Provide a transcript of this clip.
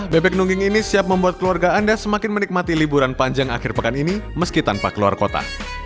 bebek nungging ini siap membuat keluarga anda semakin menikmati liburan panjang akhir pekan ini meski tanpa keluar kota